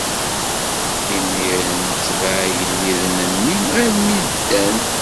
Imiren itbeɛ igelliden-nni armi d Dan.